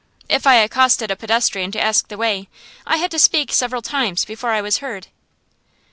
If I accosted a pedestrian to ask the way, I had to speak several times before I was heard.